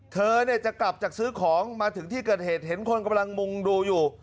เธอเนี่ยจะกลับจากซื้อของมาถึงที่เกิดเหตุเห็นคนกำลังมุ่งดูอยู่